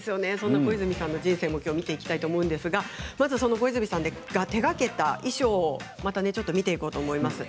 小泉さんの人生を見ていきたいと思うんですが小泉さんが手がけた衣装をちょっと見ていこうと思います。